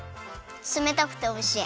つめたくておいしい。